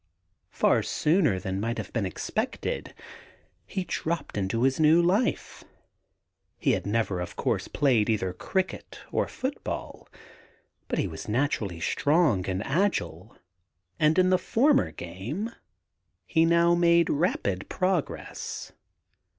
Far sooner than might have been expected he dropped into his new life. He had never, of course, played either cricket or football, but he was naturally strong and agUe, and in the former game he now made rapid progress.